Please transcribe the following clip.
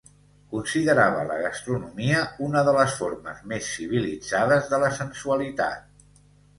Considerava la gastronomia una de les formes més civilitzades de la sensualitat.